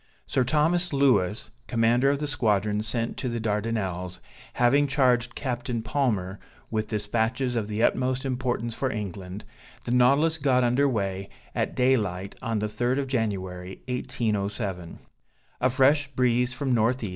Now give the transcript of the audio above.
Sir Thomas Louis, commander of the squadron sent to the Dardanelles, having charged Captain Palmer with dispatches of the utmost importance for England, the Nautilus got under weigh at daylight on the third of January 1807. A fresh breeze from N. E.